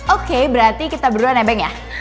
oke berarti kita berdua nebeng ya